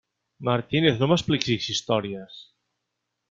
Martínez, no m'expliquis històries!